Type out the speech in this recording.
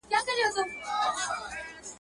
o پر ړانده شپه او ورځ يوه ده.